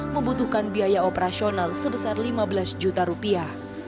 membutuhkan biaya operasional sebesar lima belas juta rupiah